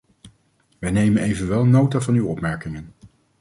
Wij nemen evenwel nota van uw opmerkingen.